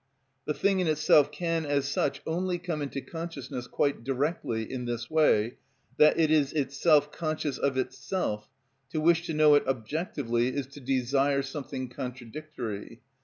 The thing in itself can, as such, only come into consciousness quite directly, in this way, that it is itself conscious of itself: to wish to know it objectively is to desire something contradictory.